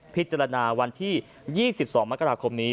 พิจารณาวันที่๒๒มกราคมนี้